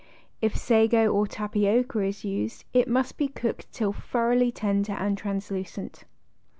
If sago or tapioca is used it must be cooked till thoroughly tender and translucent.